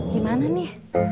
di mana nih